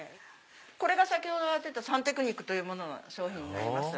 これが先ほどやってたサンテクニックの商品になります。